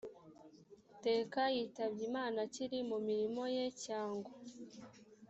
teka yitabye imana akiri mu mirimo ye cyangwa?